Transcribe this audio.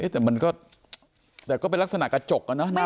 แต่มันก็เป็นลักษณะกระจกอ่ะนะ